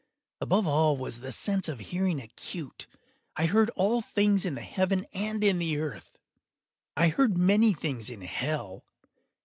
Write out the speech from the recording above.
Above all was the sense of hearing acute. I heard all things in the heaven and in the earth. I heard many things in hell.